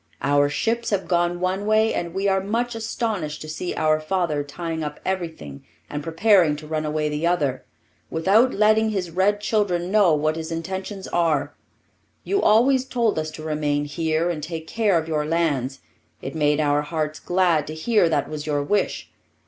Our ships have gone one way, and we are much astonished to see our father tying up everything and preparing to run away the other, without letting his red children know what his intentions are. You always told us to remain here and take care of your lands; it made our hearts glad to hear that was your wish.